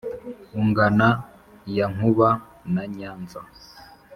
ungana ya nkuba na nyanza